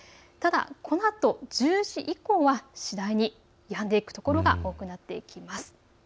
ただこのあと１０時以降は次第にやんでいくところが多くなっていきます。